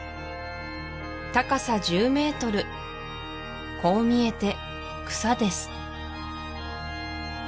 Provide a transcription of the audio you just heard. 高さ１０ｍこう見えて草です